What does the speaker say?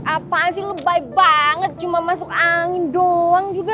apaan sih lebay banget cuma masuk angin doang juga